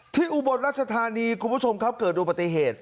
ที่อุบลรัฐฐานีครับคุณผู้ชมเกิดโดยปฏิเหตุ